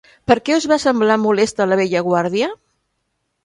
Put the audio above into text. Per què es va semblar molesta la vella guàrdia?